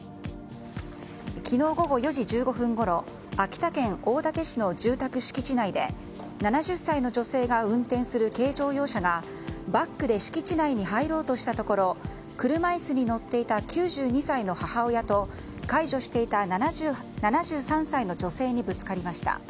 昨日午後４時１５分ごろ秋田県大館市の住宅敷地内で７０歳の女性が運転する軽乗用車がバックで敷地内に入ろうとしたところ車椅子に乗っていた９２歳の母親と介助していた７３歳の女性にぶつかりました。